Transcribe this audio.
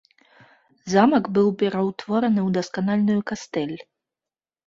Замак быў пераўтвораны ў дасканалую кастэль.